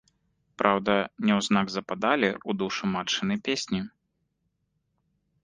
Праўда, няўзнак западалі ў душу матчыны песні.